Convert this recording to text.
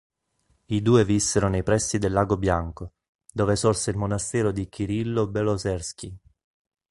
I due vissero nei pressi del Lago Bianco, dove sorse il monastero di Kirillo-Beloserskij.